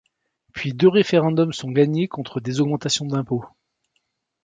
Puis deux référendums sont gagnés contre des augmentations d’impôts.